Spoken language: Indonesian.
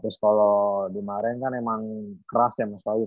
terus kalo di maren kan emang keras ya coach wayu